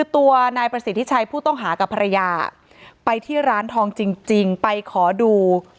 ตัวนายประสิทธิชัยผู้ต้องหากับภรรยาไปที่ร้านทองจริงไปขอดู